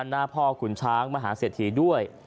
หน้าพ่อขุนช้างมหาเศรษฐีด้วย